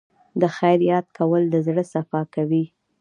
د خیر یاد کول د زړه صفا کوي.